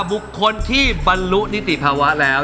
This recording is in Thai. บุคคลที่บรรลุนิติภาวะแล้ว